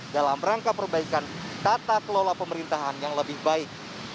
dalam rangka perbaikan tata kelola pemerintahan yang lebih baik